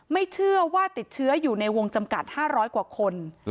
ไม่เชื่อว่าติดเชื้ออยู่ในวงจำกัด๕๐๐กว่าคน